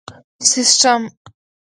سیسټم